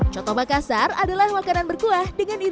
kota makassar adalah makanan berkuah